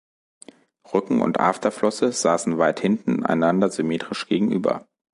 Rücken- und Afterflosse saßen weit hinten, einander symmetrisch gegenüber.